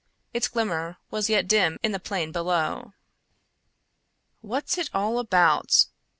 Its glimmer was yet dim in the plain below. "What's it all about?"